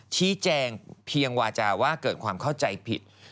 ชี้แจงเพียงวาจาว่าเกิดความเข้าใจผิด